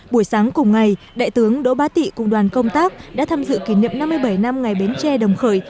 buổi sáng cùng ngày đại tướng đỗ bá tị cùng đoàn công tác đã tham dự kỷ niệm năm mươi bảy năm ngày bến tre đồng khởi